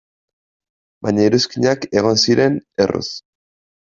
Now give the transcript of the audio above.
Baina iruzkinak egon ziren, erruz.